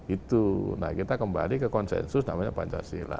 itu nah kita kembali ke konsensus namanya pancasila